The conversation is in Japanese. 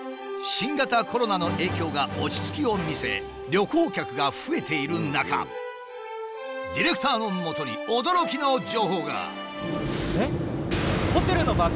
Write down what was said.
新型コロナの影響が落ち着きを見せ旅行客が増えている中ディレクターのもとに驚きの情報が。